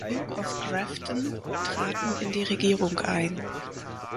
Duke of Grafton, traten in die Regierung ein.